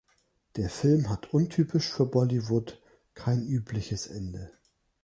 Der Film hat untypisch für Bollywood kein übliches Ende.